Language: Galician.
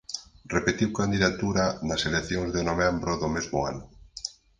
Repetiu candidatura nas Eleccións de novembro do mesmo ano.